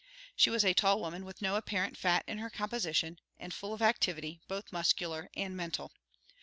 She was a tall woman with no apparent fat in her composition, and full of activity, both muscular and mental.